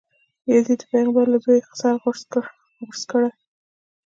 یزید د پیغمبر له زویه سر غوڅ کړی.